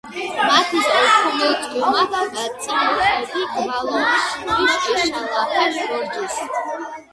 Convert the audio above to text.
მა თის ორთუმელწკუმა წიმუხედი გვალო შურიშ ეშალაფაშ ბორჯის.